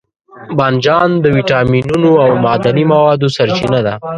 بانجان د ویټامینونو او معدني موادو سرچینه ده.